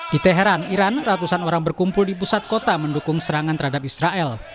di teheran iran ratusan orang berkumpul di pusat kota mendukung serangan terhadap israel